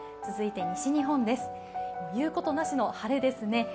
続いて西日本、言うことなしの晴れですね。